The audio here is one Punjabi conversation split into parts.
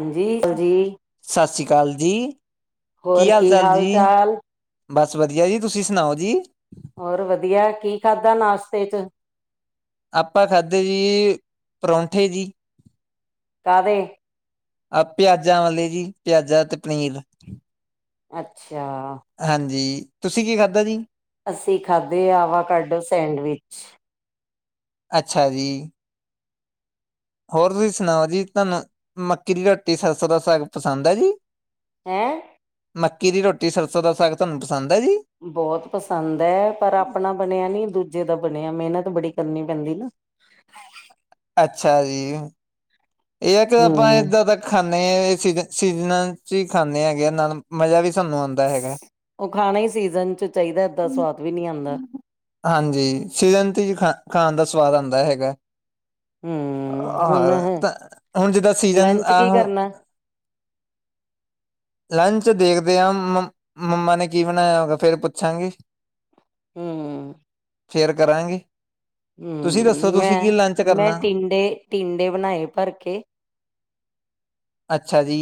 ਹਾਂਜੀ ਹਾਂਜੀ, ਕਾਲ ਜੀ, ਹੋਰ ਕੀ ਹਾਲ ਚਾਲ? ਬਸ ਵਧੀਆ ਜੀ, ਤੁਸੀਂ ਸੁਣਾਓ ਜੀ? ਹੋਰ ਵਧੀਆ, ਕੀ ਖਾਧਾ ਨਾਸ਼ਤੇ ਚ? ਆਪਾਂ ਖਾਧੇ ਜੀ ਪਰੌਂਠੇ ਜੀ, ਕਾਦੇ? ਆ ਪਿਆਜ਼ਾਂ ਵਾਲੇ ਜੀ ਪਿਆਜ਼ਾ ਤੇ ਪਨੀਰ ਅੱਛਾ, ਹਾਂਜੀ, ਤੁਸੀਂ ਕੀ ਖਾਧਾ ਜੀ? ਅਸੀਂ ਖਾਧੇ ਆਵਾ ਕੱਢੋ ਸੈਂਡਵਿਚ? ਅੱਛਾ ਜੀ, ਹੋਰ ਤੁਸੀਂ ਸੁਣਾਓ ਜੀ ਤੁਹਾਨੂੰ ਮੱਕੀ ਦੀ ਰੋਟੀ ਸਰਸੋਂ ਦਾ ਸਾਗ ਪਸੰਦ ਹੈ ਜੀ? ਹੈਂ, ਮੱਕੀ ਦੀ ਰੋਟੀ ਸਰਸੋਂ ਦਾ ਸਾਗ ਤੁਹਾਨੂੰ ਪਸੰਦ ਹੈ ਜੀ? ਬਹੁਤ ਪਸੰਦ ਹੈ ਪਰ ਆਪਣਾ ਬਣਿਆ ਨੀ ਦੂਜੇ ਦਾ ਬਣਿਆ ਮਿਹਨਤ ਬੜੀ ਕਰਨੀ ਪੈਂਦੀ ਨਾ। ਅੱਛਾ ਜੀ, ਇਹ ਕਿ ਆਪਾਂ ਹਮ ਏਦਾਂ ਦਾ ਖਾਂ, ਖਾਂਦੇ ਹੈ ਸੀਜਨਾਂ ਚ ਹੀ ਖਾਂਦੇ ਹੈਗੇ ਆ ਨਾਲ ਮਜ਼ਾ ਵੀ ਸਾਨੂੰ ਆਉਂਦਾ ਹੈਗਾ ਉਹ ਖਾਣਾ ਹੀ ਸੀਜਨ ਚ ਚਾਹੀਦਾ ਏਦਾਂ ਸਵਾਦ ਵੀ ਨਹੀਂੀ ਆਉਂਦਾ ਹਾਂਜੀ ਸੀਜ਼ਨ ਤੇ ਖਾ ਖਾਣ ਦਾ ਸਵਾਦ ਆਂਦਾ ਹੈਗਾ। ਹੂੰ, ਹੁਣ ਆਹਾਰ ਹੈ ਤਾਂ ਹੁਣ ਜਿੱਦਾਂ ਸੀਜਨ ਅਹ ਲੰਚ ਦੇਖਦੇ ਆ ਮੰਮਾ ਨੇ ਕੀ ਬਣਾਇਆ ਹੋਗਾ ਫੇਰ ਪੁੱਛਾਂਗੀ। ਹੂੰ। ਫੇਰ ਕਰਾਂਗੇ। ਤੁਸੀਂ ਦੱਸੋ ਹੂੰ ਤੁਸੀਂ ਕੀ ਲੰਚ ਮੈਂ- ਮੈਂ ਕਰਨਾ ਟਿੰਡੇ- ਟਿੰਡੇ ਬਣਾਏ ਭਰ ਕੇ। ਓਕੇ ਅੱਛਾ ਜੀ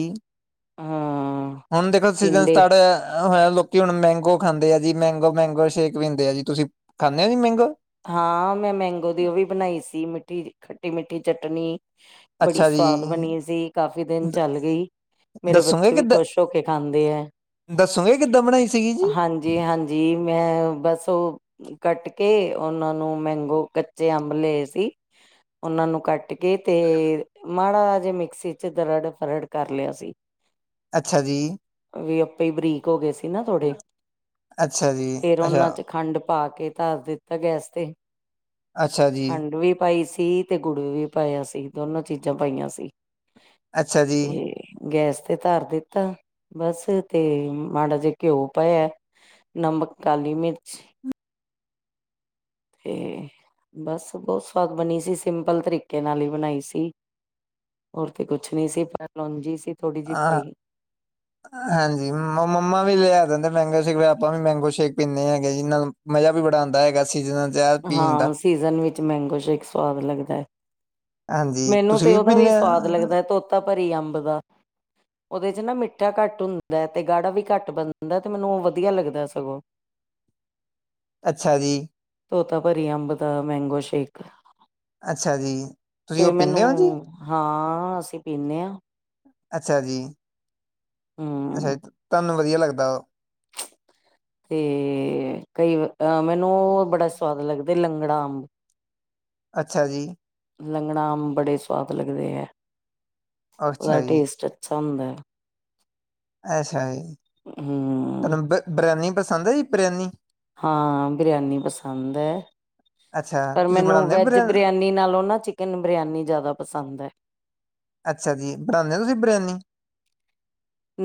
ਹਾਂ ਹੁਣ ਦੇਖੋ ਸੀਜਨ ਟਿੰਡੇ ਸਟਾਰਟ ਹੋਇਆ। ਹਾਂ ਲੋਕੀ ਹੁਣ ਮੈਂਗੋ ਖਾਂਦੇ ਆ ਜੀ, ਮੈਂਗੋ- ਮੈਂਗੋ ਸ਼ੇਕ ਪੀਂਦੇ ਆ ਜੀ ਤੁਸੀਂ ਖਾਂਦੇ ਹੋ ਜੀ ਮੈਂਗੋ। ਹਾਂ ਮੈਂ ਮੈਂਗੋ ਦੀ ਉਹ ਵੀ ਬਣਾਈ ਸੀ ਮਿੱਟੀ ਖੱਟੀ ਮਿੱਠੀ ਚਟਣੀ। ਬੜੀ ਅੱਛਾ ਜੀ ਸਵਾਦ ਬਣੀ ਸੀ ਕਾਫ਼ੀ ਦਿਨ ਚੱਲ ਗਈ, ਮੇਰੇ ਦੱਸੋਗੇ ਬੱਚੇ ਵੀ ਕਿੱਦਾਂ ਖੁਸ਼ ਹੋ ਕੇ ਖਾਂਦੇ ਹੈ ਦੱਸੋਗੇ ਕਿੱਦਾਂ ਬਣਾਈ ਸੀਗੀ ਜੀ ਹਾਂਜੀ -ਹਾਂਜੀ ਮੈਂ ਬਸ ਉਹ ਕੱਟ ਕੇ ਉਹਨਾਂ ਨੂੰ ਮੈਂਗੋ ਕੱਚੇ ਅੰਬ ਲਏ ਸੀ, ਉਹਨਾਂ ਨੂੰ ਕੱਟ ਕੇ ਤੇ ਮਾੜਾ ਜੇ ਮਿਕਸੀ ਚ ਦਰੜ -ਫਰੜ ਕਰ ਲਿਆ ਸੀ। ਅੱਛਾ ਜੀ ਵੀ ਆਪੇ ਹੀ ਬਰੀਕ ਹੋ ਗਏ ਸੀ ਨਾ ਥੋੜੇ ਅੱਛਾ ਜੀ ਫੇਰ ਅੱਛਾ ਉਹਨਾਂ ਚ ਖੰਡ ਪਾ ਕੇ ਧਰਦੇ ਤਾਂ ਗੈਸ ਤੇ। ਅੱਛਾ ਜੀ ਖੰਡ ਵੀ ਪਾਈ ਸੀ। ਤੀਹ ਤੇ ਗੁੜ ਵੀ ਪਾਇਆ ਸੀ, ਦੋਨੋ ਚੀਜ਼ਾਂ ਪਾਈਆਂ ਸੀ। ਅੱਛਾ ਜੀ ਤੇ ਗੈਸ ਤੇ ਧਰ ਦਿੱਤਾ ਬਸ ਤੇ ਮਾੜਾ ਜਿਹਾ ਘਿਓ ਪਾਇਆ, ਨਮਕ ਕਾਲੀ ਮਿਰਚ ਤੇ ਬਸ ਬਹੁਤ ਸਵਾਦ ਬਣੀ ਸੀ, ਸਿੰਪਲ ਤਰੀਕੇ ਨਾਲ ਹੀ ਬਣਾਈ ਸੀ ਹੋਰ ਤੇ ਕੁਛ ਨੀ ਸੀ ਪਰ ਲੋਂਜੀ ਸੀ ਥੋੜੀ ਜਿਹੀ ਆ ਪਾਈ ਹਾਂਜੀ ਮੰਮਾ ਮੰਮਾ ਵੀ ਲਿਆ ਦਿੰਦੇ। ਮੈਂਗੋ ਸ਼ੇਕ ਆਪਾਂ ਵੀ ਮੈਂਗੋ ਸ਼ੇਕ ਪੀਂਦੇ ਹੈਗੇ ਜਿਹਦੇ ਨਾਲ ਮਜ਼ਾ ਵੀ ਬੜਾ ਆਂਦਾ ਹੈਗਾ ਸੀਜ਼ਨ ਹਾਂ ਸੀਜਨ ਵਿੱਚ ਮੈਂਗੋ ਸ਼ੇਕ ਇੱਕ ਸਵਾਦ ਲੱਗਦਾ ਹੈ ਹਾਂਜੀ ਮੈਨੂੰ ਤੁਸੀਂ ਤੇ ਉਹਦਾ ਵੀ ਪੀਂਦੇ ਆ ਸਵਾਦ ਲੱਗਦਾ ਤੋਤਾ ਭਰੀ ਅੰਬ ਦਾ ਉਹਦੇ ਚ ਨਾ ਮਿੱਠਾ ਘੱਟ ਹੁੰਦਾ ਤੇ ਗਾੜਾ ਵੀ ਘੱਟ ਬਣਦਾ ਤੇ ਮੈਨੂੰ ਉਹ ਵਧੀਆ ਲੱਗਦਾ ਸਗੋਂ ਅੱਛਾ ਜੀ ਤੋਤਾ ਭਰੀ ਅੰਬ ਦਾ ਮੈਂਗੋ ਸ਼ੇਕ। ਅੱਛਾ ਜੀ, ਤੁਸੀਂ ਤੇ ਉਹ ਮੈਨੂੰ ਪੀਂਦੇ ਹੋ ਜੀ। ਹਾਂ ਅਸੀਂ ਪੀਂਨੇ ਹਾਂ। ਅੱਛਾ ਜੀ ਹਮ ਅੱਛਾ ਤਾਂ ਮੈਨੂੰ ਵਧੀਆ ਲੱਗਦਾ ਵਾ ਤੇ ਕਈ ਵਾ ਮੈਨੂੰ ਉਹ ਬੜਾ ਸਵਾਦ ਲੱਗਦਾ ਲੰਗੜਾ ਅੰਬ ਅੱਛਾ ਜੀ ਲੰਗਣਾ ਆਮ ਬੜੇ ਸਆਦ ਲੱਗਦੇ ਹੈ ਅੱਛਾ ਉਹਓਦਾ ਜੀ ਟੇਸਟ ਅੱਛਾ ਹੁੰਦਾ ਹ ਅੱਛਾ ਜੀ ਹਮ ਤਨੂੰ ਬਰਿਆ ਪਸੰਦ ਹੈ ਜੀ ਪ੍ਰਿਆਨੀ ਹਾਂ ਬਿਰਿਆਨੀ ਪਸੰਦ ਹੈ ਅੱਛਾ ਪਰ ਤੁਸੀਂ ਮੈਨੂੰ ਬਣਾਉਂਦੇ ਹੋ ਵੈਜ ਬਰਿਆ ਬਿਰਿਆਨੀ ਨਾਲੋਂ ਨਾ ਚਿਕਨ ਬਿਰਿਆਨੀ ਜ਼ਿਆਦਾ ਪਸੰਦ ਹੈ ਅੱਛਾ ਜੀ ਬਣਾਉਦੇ ਹੋ ਤੁਸੀਂ ਬਰਿਆਨੀ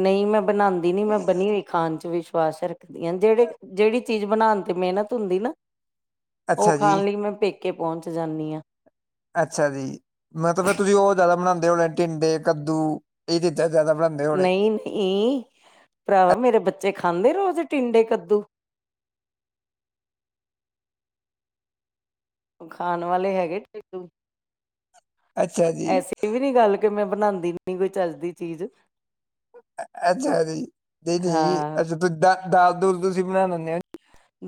ਨਹੀਂ ਮੈਂ ਬਣਾਉਦੀ ਨੀ ਮੈਂ ਬਣੀ ਹੋਈ ਖਾਣ ਚ ਵੀ ਵਿਸ਼ਵਾਸ ਰੱਖਦੀਆਂ ਜਿਹੜੇ ਜਿਹੜੀ ਚੀਜ਼ ਬਣਾਉਣ ਤੇ ਮਿਹਨਤ ਹੁੰਦੀ ਨਾ ਉਹ ਅੱਛਾ ਜੀ ਖਾਣ ਲਈ ਮੈਂ ਪੇ ਕੇ ਪਹੁੰਚ ਜਾਂਦੀ ਹਾਂ ਅੱਛਾ ਜੀ ਮਤਲਬ ਫ ਤੁਸੀਂ ਉਹ ਜ਼ਿਆਦਾ ਬਣਾਉਦੇ ਣੇ ਟਿੰਡੇ ਕੱਦੂ ਇਹ ਦਿੱਤੇ ਨਹੀਂ ਨਹੀਂ ਭਰਾਵਾ ਮੇਰੇ ਬੱਚੇ ਬੱਚੇ ਖਾਂਦੇ ਰੋਜ਼ ਟਿੰਡੇ ਕੱਦੂ ਖਾਣ ਵਾਲੇ ਹੈਗੇ ਟਿੱਡੂ ਅੱਛਾ ਜੀ, ਐਸੀ ਵੀ ਨੀ ਗੱਲ ਕਿ ਮੈਂ ਬਣਾਉਂਦੀ ਨ ਕੋਈ ਚਜਦੀ ਚੀਜ਼ ਅੱਛਾ ਅ ਦੇਦੀ ਹਾਂ। ਅੱਛਾ ਤੁਂ ਦਾਲ ਦੁਲ ਤੁਸੀਂ ਬਣਾ ਦਿੰਦੇ ਹੋ ਜੀ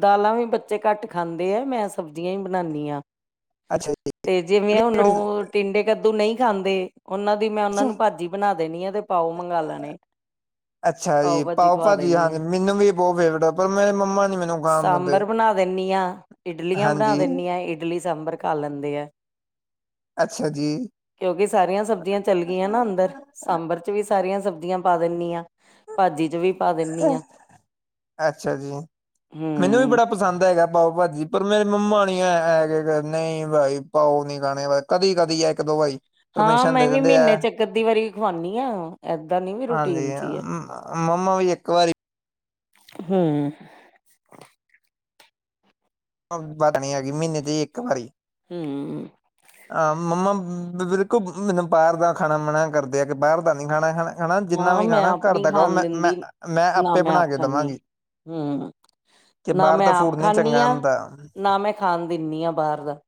ਦਾਲਾਂ ਵੀ ਬੱਚੇ ਘੱਟ ਖਾਂਦੇ ਆ ਮੈਂ ਸਬਜ਼ੀਆਂ ਹੀ ਬਣਾਉਂਦੀ ਹਾਂ ਅੱਛਾ ਜੀ, ਤੇ ਜਿਵੇਂ ਬੜੀ- ਹੁਣ ਬੜੀ- ਟਿੰਡੇ ਕੱਦੂ ਨਹੀਂ ਖਾਂਦੇ ਉਹਨਾਂ ਦੀ ਮੈਂ ਉਹਨਾਂ ਨੂੰ ਭਾਜੀ ਬਣਾ ਦੇਣੀ ਆ ਤੇ ਪਾਓ ਮੰਗਵਾ ਲੈਣੇ ਅੱਛਾ ਜੀ ਪਾਓ ਖਵਾ ਭਾਜੀ ਦੇਣੀ ਹਾਂਜੀ ਹੈ। ਮੈਨੂੰ ਵੀ ਬਹੁਤ ਫੇਵਰੇਟ ਪਰ ਮੇਰੇ ਮੰਮਾ ਨੀ ਮੈਨੂੰ ਖਾਣ ਦਿੰਦੇ। ਸਾਂਬਰ ਬਣਾ ਦਿੰਦੀ ਹਾਂ ਇਡਲੀਆਂ ਬਣਾ ਹਾਂਜੀ, ਦਿੰਦੀ ਹਾਂ ਇਡਲੀ ਸਾਂਬਰ ਖਾ ਲੈਂਦੇ ਆ ਅੱਛਾ ਜੀ। ਕਿਉਂਕਿ ਸਾਰੀਆਂ ਸਬਜ਼ੀਆਂ ਚੱਲ ਗਈਆਂ ਨਾ ਅੰਦਰ ਸਾਂਬਰ ਚ ਵੀ ਸਾਰੀਆਂ ਸਬਜ਼ੀਆਂ ਪਾ ਦਿੰਦੀ ਹਾਂ ਭਾਜੀ ਚ ਵੀ ਪਾ ਦਿੰਦੀ ਹਾਂ ਅੱਛਾ ਜੀ ਮੈਨੂੰ ਵੀ ਹਮ। ਬੜਾ ਪਸੰਦ ਹੈਗਾ ਆਹੋ ਭਾਜੀ ਪਰ ਮੇਰੇ ਮੰਮਾ ਨੀ ਨਹੀਂ ਭਾਈ ਪਾਓ ਨੀ ਖਾਣੇ ਕਦੀ ਕਦੀ ਆ ਇੱਕ ਦੋ ਭਾਈ ਹਾਂ ਮੈਂ ਵੀ ਮਹੀਨੇ ਚੱਕ ਅੱਧੀ ਵਾਰੀ ਖਵਾਉਾਨਦੀ ਹਾਂ ਏਦਾਂ ਨੀ ਵੀ ਹਾਂਜੀ, ਰੂਟੀਨ ਚ ਹੀ ਹੈ ਮ- ਮੰਮਾ ਵੀ ਇੱਕ ਵਾਰੀ ਹੂੰ, ਵਤ ਨ ਹੈਗੀ ਮਹੀਨੇ ਦੀ ਇੱਕ ਵਾਰੀ ਹੂੰ, ਹਾਂ ਮੰਮਾ ਬਿਲਕੁਲ ਮੈਨੂੰ ਬਾਹਰ ਦਾ ਖਾਣਾ ਮਨਾ ਕਰਦੇ ਆ ਕਿ ਬਾਹਰ ਦਾ ਨੀ ਖਾਣਾ ਹਨਾ। ਹਨਾ ਜਿੰਨਾ ਹਾਂ ਵੀ ਮੈਂ ਖਾਣਾ ਆਪ ਘਰ ਨੀ ਦਾ ਕੋ ਖਾਣ ਦਿੰਦੀ ਮੈਂ-ਮੈਂ-ਮੈਂ, ਨਾ ਆਪੇ ਮੈਂ ਬਣਾ ਆਪ ਕੇ ਖਾਂਦੀ ਦੇਵਾਂਗੀ ਹੂੰ ਕਿ ਨਾ ਬਾਹਰ ਮੈਂ ਤਾਂ ਫੂਡ ਆਪ ਨੀ ਖਾਂਦੀ ਚੰਗਾ। ਹਾਂ ਨਾ ਮੈਂ ਖਾਣ ਦਿੰਦੀ ਆ ਬਾਹਰ ਦਾ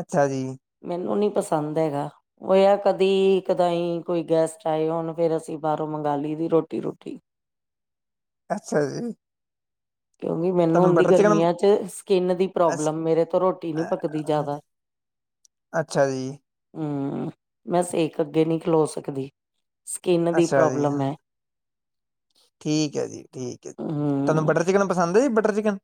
ਅੱਛਾ ਜੀ ਮੈਨੂੰ ਨੀ, ਪਸੰਦ ਹੈਗਾ ਉਹ ਆ ਕਦੀ ਕਦਾਈ ਕੋਈ ਗੈਸਟ ਆਏ ਹੋੁਣ ਫੇਰ ਅਸੀਂ ਬਾਹਰੋਂ ਮੰਗ ਲਈ ਦੀ ਰੋਟੀ ਰੋਟੀ ਅੱਛਾ ਜੀ, ਕਿਉਂਕਿ ਮੈਨੂੰ ਤੁਹਾਨੂੰ ਹਦੀ ਬਟਰ ਚਿਕਨ ਗਰਮੀਆਂ ਚ ਸਕਿੰਨ ਦੀ ਅੱਛ ਪ੍ਰੋਬਲਮ ਮੇਰੇ ਤੋਂ ਰੋਟੀ ਨੀ ਅ ਪਕਦੀ ਜ਼ਿਆਦਾ ਅੱਛਾ ਜੀ ਹੂੰ, ਹੂੰ, ਮੈਂ ਸੇਕ ਅੱਗੇ ਨੀ ਖਲੋ ਸਕਦੀ। ਸਕਿੰਨ ਦੀ ਅੱਛਾ ਜੀ ਪ੍ਰੋਬਲਮ ਹਾਂ, ਹੈ। ਠੀਕ ਹੈ ਜੀ ਠੀਕ ਹੈ ਜੀ ਤੁਹਾਨੂੰ ਹੂੰ, ਬਟਰ ਚਿਕਨ ਪਸੰਦ ਐ ਬਟਰ ਚਿਕਨ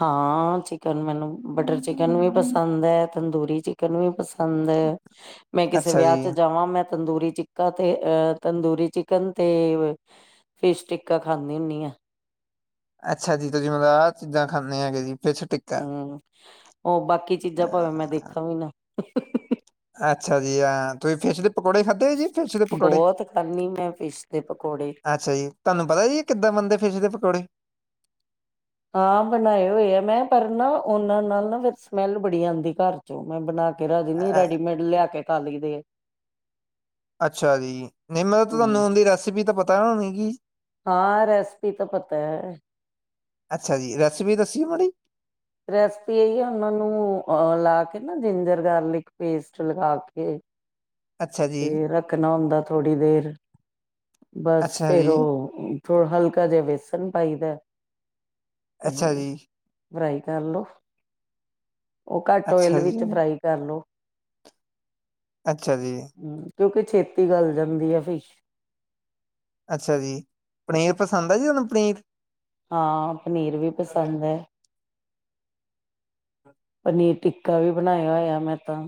ਹਾਂ ਚਿਕਨ ਮੈਨੂੰ ਬਟਰ ਚਿਕਨ ਵੀ ਪਸੰਦ ਹੈ। ਤੰਦੂਰੀ ਚਿਕਨ ਵੀ, ਪਸੰਦ ਮੈਂ ਕਿਸੇ ਅੱਛਾ ਜੀ ਵਿਆਹ ਚ ਜਾਵਾਂ ਮੈਂ ਤੰਦੂਰੀ ਚਿੱਕਾ ਤੇ ਅਹ ਤੰਦੂਰੀ ਚਿਕਨ ਤੇ ਫਿਸ਼ ਟਿੱਕਾ ਖਾਂਦੀ ਹੁੰਦੀ ਆ। ਅੱਛਾ ਜੀ ਤੁਸੀਂ ਮਤਲਬ ਆਹ ਚੀਜ਼ਾਂ ਖਾਂਦੇ ਹੈਗੇ ਜੀ। ਫਿਸ਼ ਟਿੱਕਾ ਹੂੰ ਹੋ ਬਾਕੀ ਚੀਜ਼ਾਂ ਭਾਵੇਂ ਮੈਂ ਦੇਖਾਂ ਵੀ ਨਾ, [unintelligible] ਅੱਛਾ ਜੀ ਹਾਂ ਤੁਸੀਂ ਫਿਸ਼ ਪਕੌੜੇ ਖਾਧੇ ਜੀ ਫਿਸ਼ ਦੇ ਪਕੌੜੇ ਬਹੁਤ ਖਾਂਨੀ ਮੈਂ ਫਿਸ਼ ਦੇ ਪਕੌੜੇ। ਅੱਛਾ ਜੀ ਤੁਹਾਨੂੰ ਪਤਾ ਜੀ ਕਿੱਦਾਂ ਬੰਦੇ ਫਿਸ ਦੇ ਪਕੌੜੇ ਹਾਂ ਬਣਾਏ ਹੋਏ ਆ ਮੈਂ ਪਰ ਨਾ ਉਹਨਾਂ ਨਾਲ ਨਾ ਫਿਰ ਸਮੈਲ ਬੜੀ ਆਦੀ ਘਰ ਚੋਂ ਮੈਂ ਬਣਾ ਕੇ ਰਜ ਅ ਨ ਅ ਰੈਡੀਮੇਡ ਲਿਆ ਕੇ, ਕੱਲ ਦੇ ਅੱਛਾ ਜੀ ਨਹੀਂ ਮਤ ਤੁਹਾਨੂੰ ਹੂੰ। ਉਹਦੀ ਰੈਸਪੀ ਤਾਂ ਪ ਪਤਾ ਮ ਹਾਂ ਰੈਸਪੀ ਤਾਂ ਪਤਾ ਹੈ। ਰੇਸਪੀ ਦਸੀ ਮਾੜੀ, ਰੈਸਪੀ ਇਹੀ ਆ ਉਹਨਾਂ ਨੂੰ ਅਹ ਲਾ ਕੇ ਨਾ ਜਿੰਜਰ ਗਾਰਲਿਕ ਪੇਸਟ ਲਗਾ ਕੇ ਅੱਛਾ ਜੀ, ਤੇ ਰੱਖਣਾ ਹੁੰਦਾ ਥੋੜ੍ਹੀ ਦੇਰ ਬਸ ਅੱਛਾ ਫੇਰ ਜੀ, ਉਹ ਹਲਕਾ ਜਿਹਾ ਵੇਸ ਨ ਪਈਦਾ, ਅੱਛਾ ਜੀ, ਬ੍ਰਈਟ [inaudible] ਉਹ ਘੱਟ ਓਇਲ ਅੱਛਾ ਜੀ, ਵਿੱਚ ਫਰਾਈ ਕਰ ਲਉ ਅੱਛਾ ਜੀ ਹਮ ਕਿਉਂਕਿ ਛੇਤੀ ਗੱਲ ਜਾਂਦੀ ਆ ਫਿਸ਼ ਅੱਛਾ ਜੀ ਪਨੀਰ ਪਸੰਦ ਆ ਜੀ ਉਹਨੂੰ ਪਨੀਰ ਹਾਂ ਪਨੀਰ ਵੀ ਪਸੰਦ ਹੈ ਪਨੀਰ ਟਿੱਕਾ ਵੀ ਬਣਾਇਆ ਹੋਇਆ ਮੈਂ ਤਾਂ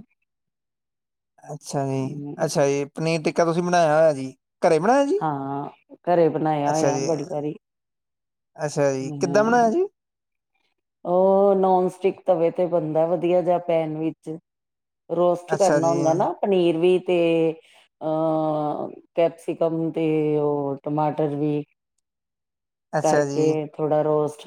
ਅੱਛਾ ਜੀ ਹਮ, ਅੱਛਾ ਜੀ ਪਨੀਰ ਤੀ ਤੁਸੀਂ ਬਣਾਇਆ ਹੋਇਆ ਜੀ ਘਰੇ ਬਣਾਇਆ ਜੀ? ਹਾਂ ਘਰੇ ਬਣਾਇਆ ਅੱਛਾ ਹੋਇਆ ਜੀ, ਬੜੀ ਵਾਰੀ ਅੱਛਾ ਜੀ ਕਿੱਦਾਂ ਬਣਾਇਆ ਹਮ ਜੀ ਉਹ ਨੋਨ ਸਟਿਕ ਤਵੇ ਤੇ ਬਣਦਾ ਵਧੀਆ ਜਾ ਪੈਨ ਵਿਚ ਰੋਸਟ ਅੱਛਾ ਕਰਨਾ ਜੀ, ਹੁੰਦਾ ਨਾ ਪਨੀਰ ਵੀ ਤੇ ਅਹ ਕੈਪਸਿਕਮ ਤੇ ਉਹ ਟਮਾਟਰ ਵੀ ਅੱਛਾ ਜੀ, ਕਰਕੇ ਥੋੜਾ ਰੋਸ [inaudible]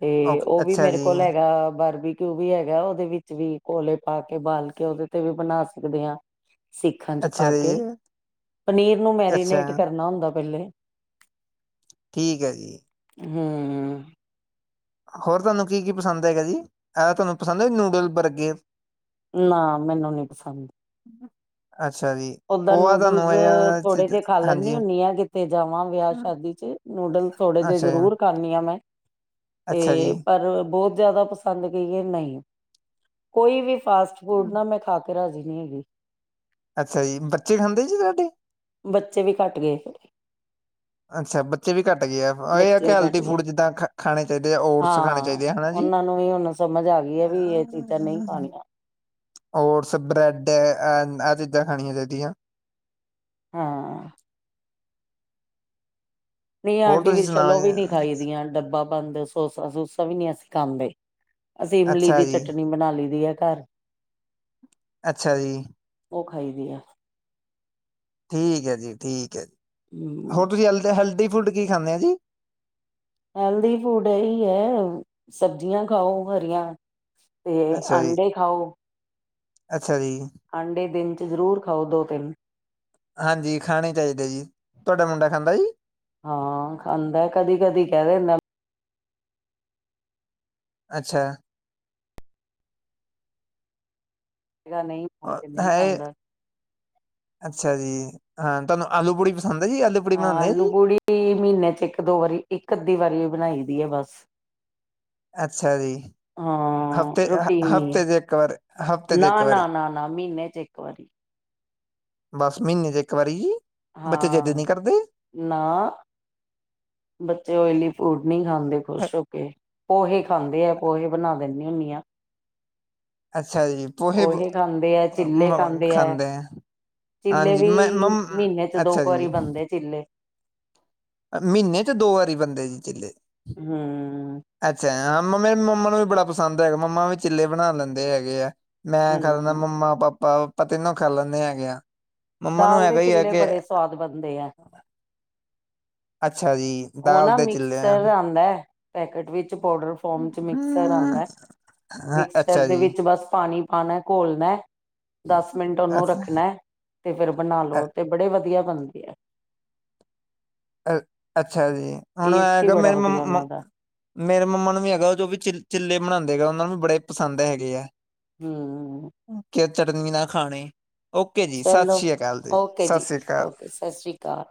ਤੇ ਓਕ ਉਹ ਵੀ ਅੱਛਾ ਮੇਰੇ ਜੀ, ਕੋਲ ਹੈਗਾ ਬਾਰਬੀ ਕਿਉ ਵੀ ਹੈਗਾ ਉਹਦੇ ਵਿੱਚ ਵੀ ਕੋਲੇ ਪਾ ਕੇ ਬਾਲ ਕੇ ਉਹਦੇ ਤੇ ਵੀ ਬਣਾ ਸਕਦੇ ਹਾਂ ਸਿੱਖਾਂ ਚ ਪਾ ਅੱਛਾ ਜੀ, ਕੇ ਪਨੀਰ ਨੂੰ ਅੱਛਾ, ਮੈਰੀਨੇਟ ਕਰਨਾ ਹੁੰਦਾ ਪਹਿਲੇ ਠੀਕ ਹੈ ਜੀ ਹਮ ਹੋਰ ਤੁਹਾਨੂੰ ਕੀ ਕੀ ਪਸੰਦ ਹੈਗਾ ਜੀ ਇਹ ਤੁਹਾਨੂੰ ਪਸੰਦ ਹੈੀ ਨੂਡਲ ਬਰਗੇਰ ਨਾ ਮੈਨੂੰ ਨੀ ਪਸੰਦ [inaudible] ਜੀ ਓਦਾਂ ਪੋਆ ਤੁਹਾਨੂੰ ਨੂਡਲਸ ਇਹ ਥੋੜੇ ਚੀਜ਼ ਜਿਹੇ ਖਾ ਲੈਦੀ ਹਾਂਜੀ ਹੁੰਦੀ ਆ ਕਿੱਥੇ ਜਾਵਾਂ ਵਿਆਹ ਸ਼ਾਦੀ ਚ ਨੂਡਲਸ ਥੋੜੇ ਜਹੇ ਅੱਛਾ ਜੀ ਜ਼ਰੂਰ ਖਾਦੀ ਆ ਮੈਂ ਅੱਛਾ ਜੀ ਤੇ ਪਰ ਬਹੁਤ ਜ਼ਿਆਦਾ ਪਸੰਦ ਨ ਕਹੀਏ ਨਹੀਂ ਕੋਈ ਵੀ ਫਾਸਟ ਫੂਡ ਨਾ ਮੈਂ ਖਾ ਕੇ ਰਾਜ਼ੀ ਨਹੀਂ ਹੈਗੀ ਅੱਛਾ ਜੀ ਬੱਚੇ ਖਾਂਦੇ ਜੀ ਤੋਡੇ ਬੱਚੇ ਵੀ ਘੱਟ ਗਏ ਅੱਛਾ ਬੱਚੇ ਵੀ ਘੱਟ ਗਏ ਆ ਬੱਚੇ ਵੀ ਇਹਲ ਘੱਟ ਗਏ ਫੂਡ ਜਿੱਦਾਂ ਖਾਣੇ ਚਾਹੀਦੇ ਆ ਓਟਸ ਖਾਣੇ ਹਾਂ ਚਾਹੀਦੇ ਆ ਹਨਾ ਜੀ ਉਹਨਾਂ ਨੂੰ ਵੀ ਹੁਣ ਸਮਝ ਆ ਗਈ ਹੈ ਵੀ ਇਹ ਚੀਜ਼ਾਂ ਨਹੀਂ ਖਾਣੀਆਂ ਓਟਸ ਬ੍ਰੈਡ ਆਹ ਚੀਜ਼ਾਂ ਖਣੀਆਂ ਚਾਹੀਦੀਆਂ ਹਾਂ ਨਹੀਂ ਹੋਰ ਆਂਟੀ ਤੁਸੀਂ ਵੀ ਸੁਣਾਓ ਚਲੋ ਵੀ ਨੀ ਜੀ ਖਾਈ ਦੀਆਂ ਡੱਬਾ ਬੰਦ ਸੋਸਾ ਸੂਸਾ ਵੀ ਨਹੀਂ ਅਸੀਂ ਖਾਂਦੇ ਅਸੀਂ ਇਮਲੀ ਅੱਛਾ ਦੀ ਜੀ ਚਟਨੀ ਬਣਾ ਲਈ ਦੀ ਹੈ। ਘਰ ਅੱਛਾ ਜੀ । ਉਹ ਖਾਈ ਦੀ ਆ। ਠੀਕ ਹੈ ਜੀ, ਠੀਕ ਹੈ ਜੀ ਹਮ ਹੋਰ ਤੁਸੀਂ ਲੈੰਦੀ ਹਲਦੀ ਫੂਡ ਕੀ ਖਾਂਦੇ ਆ ਜੀ, ਹੈਲਦੀ ਫੂਡ ਇਹਹੀ ਹੈ। ਸਬਜ਼ੀਆਂ ਖਾਓ, ਹਰੀਆਂ ਤੇ ਅੱਛਾ ਜੀ ਆੰਡੇ ਖਾਓ ਅੱਛਾ ਜੀ ਅਡੇ ਦਿਨ ਜ਼ਰੂਰ ਖਾਓ। ਦੋ, ਤਿੰਨ ਹਾਂਜੀ ਖਾਣੇ ਚਾਹੀਦੇ ਜੀ ਤੁਹਾਡਾ ਮੁੰਡਾ ਖਾਂਦਾ ਜੀ ਹਾਂ, ਖਾਂਦਾ। ਕਦੀ -ਕਦੀ ਕਹਿ ਦਿੰਦਾ। ਅੱਛਾ। ਨਹੀਂ ਮੁੜ ਕੇ ਨਹੀਂ ਹੈ ਖਾਂਦਾ ।ਅੱਛਾ ਜੀ, ਹਾਂ, ਤਹਾਨੂੰ ਆਲੂ, ਪੁੜੀ ਪਸੰਦ ਹੈ ਜੀ ਆਲੂ ਪੂੜੀ ਹਾਂ ਬਣਾਉਂਦੇ ਆ ।ਆਲੂ, ਜੀ ਪੂੜੀ ਮਹੀਨੇ ਚ ਇੱਕ -ਦੋ ਵਾਰੀ ਇੱਕ ਅੱਧੀ ਵਾਰੀ ਉਹ ਬਣਾਈ ਦੀ ਹੈ ।ਬਸ ਅੱਛਾ ਜੀ ਹਾਂ ।ਹਫ਼ਤੇ- ਰੂਟੀਨ ਨੀ ਹੈ ਹਫ਼ਤੇ ਦੇ ਇੱਕ ਵਾਰ ਹਫ਼ਤੇ ਦੇ ਇੱਕ ਵਾਰੀ ਜੇ ਇੱਕ ਵਾਰੀ ਬਸ ਮਹੀਨੇ ਚ ਇੱਕ ਵਾਰੀ ਜੀ ਬੱਚੇ ਜਿੱਦ ਹਾਂ, ਨਹੀਂ ਕਰਦੇ ਨਾ, ਬੱਚੇ ਓਇਲੀ [inaudible] ਹੂੰ। ਨ ਖਾਂਦੇ ਅ ਖੁਸ਼ ਹੋ ਕੇ, ਪੋਹੇ ਖਾਂਦੇ ਹੈ ।ਪੋਹੇ ਬਣਾ ਦੇਦੇ ਦੀ ਹੁੰਦੀ ਹ ਅੱਛਾ ਜੀ ਪੋਹੇ ਬ ਓਹੀ ਖਾਂਦੇ ਹੈ, ਚਿੱਲੇ ਮ ਖਾਂਦੇ ਹੈ, ਆ ਚਿੱਲੇ ਹਾਂਜੀ ਵੀ ਮੈਂ ਮਮ ਮਹੀਨੇ ਚ ਦੋ ਅੱਛਾ ਕੁ ਜੀ ਵਾਰੀ ਬਣਦੇ ਚਿੱਲੇ। ਮਹੀਨੇ ਚ ਦੋ ਵਾਰੀ ਬੰਦੇ ਜੀ ਚਿੱਲੇ। ਹਮ ਅੱਛਾ, ਹਾਂ, ਮੰਮਾ- ਮੰਮਾ ਨੂੰ ਵੀ ਬੜਾ ਪਸੰਦ ਹੈਗਾ। ਮੰਮਾ ਵੀ ਚਿੱਲੇ ਬਣਾ ਲੈਂਦੇ ਹੈਗੇ ਆ। ਮੈਂ ਖਾਂਦਾ, ਹਮ ਮੰਮਾ- ਪਾਪਾ ਆਪਾਂ ਤੈਨੂੰ ਖਾ ਲੈਂਦੇ ਹੈਗੇ ਆ। ਮੰਮਾ ਨੂੰ ਦਾਲ ਦੇ ਹੈਗਾ ਹੀ ਹੈ ਚਿੱਲੇ ਕਿ ਬੜੇ ਸਵਾਦ ਬਣਦੇ ਹੈ। ਅੱਛਾ ਜੀ ਉਹ ਦਾਲ ਨਾ ਦੇ ਚਿੱਲੇ ਆ। ਮਿਕਸਰ ਆਉਂਦਾ। ਪੈਕੇਟ ਵਿੱਚ ਪਾਊਡਰ ਫੋਮ ਚ ਮਿਕਸਰ ਹਮ, ਆਉਂਦਾ ਹੈ। ਹਾਂ ਅੱਛਾ ਮਿਕਸਰ ਦੇ ਜੀ ਵਿੱਚ ਬਸ ਪਾਣੀ ਪਾਣਾ ਘੋਲਣਾ। ਦਸ ਮਿੰਟ ਉਹਨੂੰ ਅੱਛਾ ਰੱਖਣਾ ਤੇ ਫੇਰ ਬਣਾ ਅ ਲੋ ਤੇ ਬੜੇ ਵਧੀਆ। ਬਣਦੀ ਆ ਅ ਅੱਛਾ ਜੀ ਹੁਣ ਟੇਸਟ ਹੀ ਹੈਗਾ ਬੜਾ ਮੇਰੇ ਵਧੀਆ ਮੰ ਉਹਨਾਂ ਦਾ ਮੇਰੇ ਮੰਮਾ ਨੂੰ ਵੀ ਹੈਗਾ ਜੋ ਵੀ ਚ ਚਿੱਲੇ ਬਣਾਉਂਦੇ ਹੈ ਉਹਨਾਂ ਨੂੰ ਬੜੇ ਪਸੰਦ ਹੈਗੇ ਆ। ਹੂੰ, ਕਿ ਚਟਨੀ ਨਾ ਖਾਣੇ, ਓਕੇ ਜੀ ਸਤਿ ਚਲੋ ਸ੍ਰੀ ਅਕਾਲ ਜੀ ਓਕੇ ਸਤਿ ਸ੍ਰੀ ਅਕਾਲ, ਓਕੇ ਸਤਿ ਸ੍ਰੀ ਅਕਾਲ